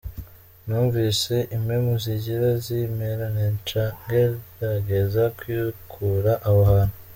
Numvise impemu zigira zimperane nca ngerageza kwikura aho hantu.